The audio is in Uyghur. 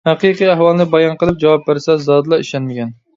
ھەقىقىي ئەھۋالنى بايان قىلىپ جاۋاب بەرسە، زادىلا ئىشەنمىگەن.